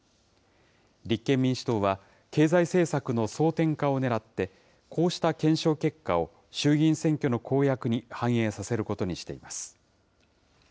立憲民主党は、経済政策の争点化をねらって、こうした検証結果を衆議院選挙の公約に反映させることにしています。